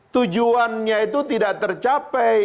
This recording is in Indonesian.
tujuannya itu tidak tercapai